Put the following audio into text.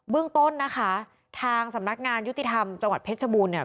เรื่องต้นนะคะทางสำนักงานยุติธรรมจังหวัดเพชรบูรณเนี่ย